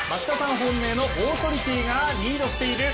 本命のオーソリティがリードしている。